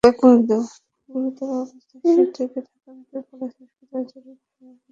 গুরুতর অবস্থায় শিশুটিকে ঢাকা মেডিকেল কলেজ হাসপাতালের জরুরি বিভাগে ভর্তি করা হয়।